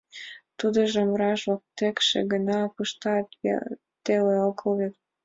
Тудыжым, раш, воктекше гына пыштат, теле огыл вет.